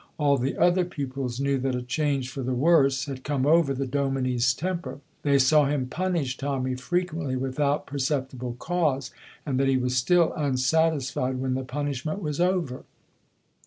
All the other pupils knew that a change for the worse had come over the dominie's temper. They saw him punish Tommy frequently without perceptible cause, and that he was still unsatisfied when the punishment was over.